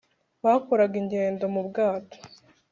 bakoraga ingendo mu bwato